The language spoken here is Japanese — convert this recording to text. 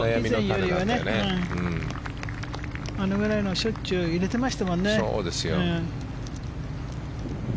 あれぐらいのは、しょっちゅう入れてましたもんね。